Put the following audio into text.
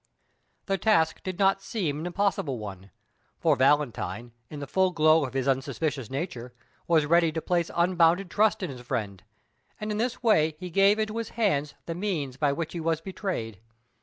The task did not seem an impossible one, for Valentine, in the full glow of his unsuspicious nature, was ready to place unbounded trust in his friend, and in this way he gave into his hands the means by which he was betrayed.